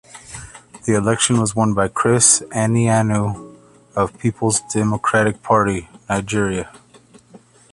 The election was won by Chris Anyanwu of the Peoples Democratic Party (Nigeria).